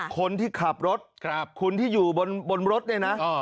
คนที่ขับรถคุณที่อยู่บนรถเนี่ยนะ